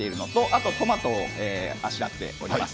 それとトマトをあしらっております。